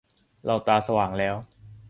เราตาสว่างแล้ว